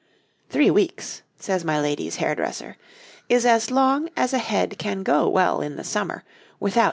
'Three weeks,' says my lady's hairdresser, 'is as long as a head can go well in the summer without being opened.'